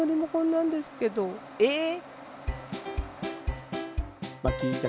えっ！